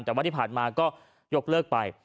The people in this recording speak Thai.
แต่ว่าที่ผ่านมาก็ยกเลิกไป